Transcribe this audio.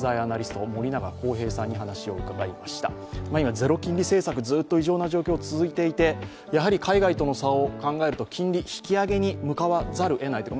ゼロ金利政策、ずっと異常な状況が続いていてやはり海外との差を考えると、金利引き上げに向かわざるをえないというか